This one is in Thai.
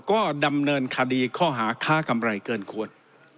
ก็ดำเนินคดีข้อหาค้ากำไรเกินควร